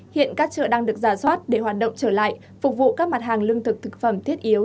hiện các chợ đang được giả soát để hoạt động trở lại phục vụ các mặt hàng lương thực thực phẩm thiết yếu